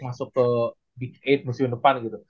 masuk ke big delapan musim depan gitu